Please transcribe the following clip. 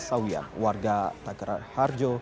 sawian warga tagerar harjo